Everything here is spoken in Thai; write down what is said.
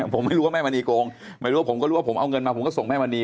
ผมไม่รู้ว่าแม่มณีโกงไม่รู้ว่าผมก็รู้ว่าผมเอาเงินมาผมก็ส่งแม่มณี